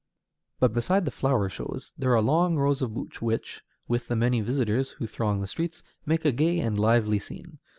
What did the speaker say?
But beside the flower shows, there are long rows of booths, which, with the many visitors who throng the streets, make a gay and lively scene.